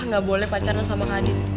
ga boleh pacaran sama kadit